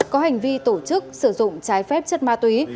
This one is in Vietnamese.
có hành vi tổ chức sử dụng trái phép chất ma túy